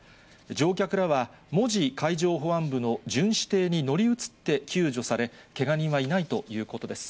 乗客らは、門司海上保安部の巡視艇に乗り移って救助され、けが人はいないということです。